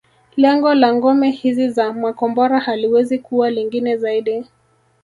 Lengo la ngome hizi za makombora haliwezi kuwa lingine zaidi